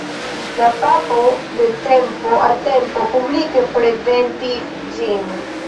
La papo de tempo al tempo publike prezentis ĝin.